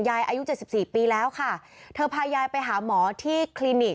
อายุเจ็ดสิบสี่ปีแล้วค่ะเธอพายายไปหาหมอที่คลินิก